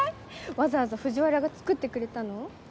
わざわざ藤原が作ってくれたの？